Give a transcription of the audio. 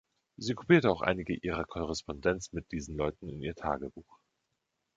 Sie kopierte auch einige ihrer Korrespondenz mit diesen Leuten in ihr Tagebuch.